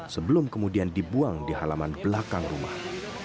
sebelum kemudian dibuang di halaman belakang rumah